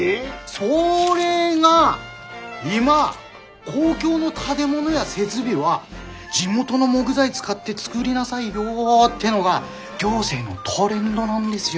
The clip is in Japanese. それが今公共の建物や設備は地元の木材使って作りなさいよっていうのが行政のトレンドなんですよ。